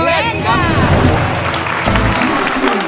เล่นครับ